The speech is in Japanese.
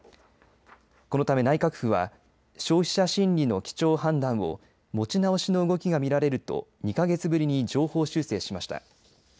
このため、内閣府は消費者心理の基調判断を持ち直しの動きが見られると２か月ぶりに上方修正しました。